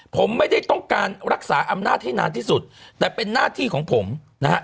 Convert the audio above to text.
ผมไม่ได้ต้องการรักษาอำนาจให้นานที่สุดแต่เป็นหน้าที่ของผมนะฮะ